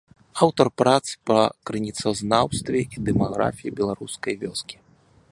Аўтар прац па крыніцазнаўстве і дэмаграфіі беларускай вёскі.